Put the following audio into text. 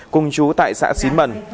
cùng chú tại xã xín mần